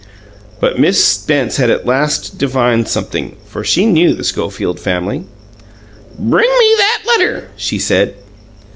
But Miss Spence had at last divined something, for she knew the Schofield family. "Bring me that letter!" she said.